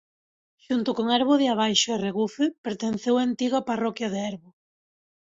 Xunto con Erbo de Abaixo e Regufe pertenceu a antiga parroquia de Erbo.